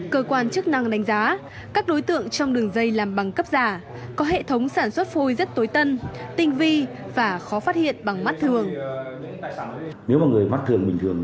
cơ quan chức năng đánh giá các đối tượng trong đường dây làm bằng cấp giả có hệ thống sản xuất phôi rất tối tân tinh vi và khó phát hiện bằng mắt thường